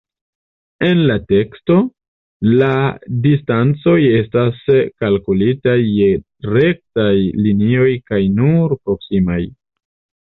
En la teksto, la distancoj estas kalkulitaj je rektaj linioj kaj nur proksimaj.